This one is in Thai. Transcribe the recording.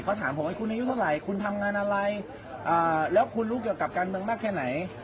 เขาถามผมว่าคุณอายุเท่าไหร่คุณทำงานอะไรแล้วคุณรู้เกี่ยวกับการเมืองมากแค่ไหน